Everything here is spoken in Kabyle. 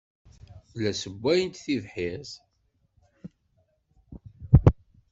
La sswayeɣ tibḥirt.